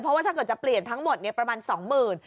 เพราะว่าถ้าเกิดจะเปลี่ยนทั้งหมดประมาณสองหมื่น